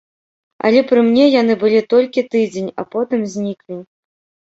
Але пры мне яны былі толькі тыдзень, а потым зніклі.